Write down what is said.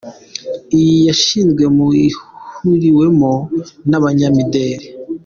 Iyi yashinzwe mu, ihuriwemo n’abanyamideli.